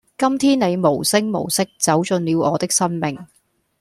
今天你無聲無息走進了我的生命